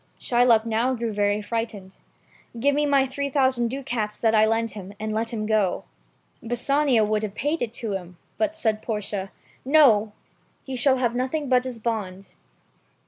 Shylock now grew very frightened. "Give me back my three thou sand ducats that I lent him, and let him go." Bassanio would have paid it to him, but said Portia. "No! He shall have nothing but his bond."